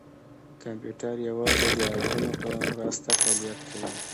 کمپیوټر یوازې د عددونو په مرسته فعالیت کوي.